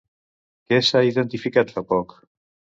Què s'ha identificat fa poc?